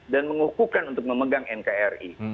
dan mengukuhkan untuk memegang nkri